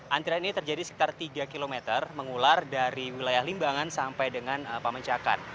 antrian ini terjadi sekitar tiga km mengular dari wilayah limbangan sampai dengan pemencakan